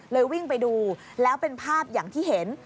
วิ่งไปดูแล้วเป็นภาพอย่างที่เห็น